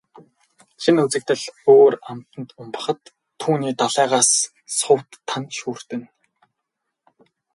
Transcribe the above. Шинэ үзэгдэл өөр амтанд умбахад түүний далайгаас сувд, тана шүүрдэнэ.